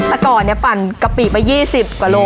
แต่ก่อนเนี่ยปั่นกะปิไป๒๐กว่าโล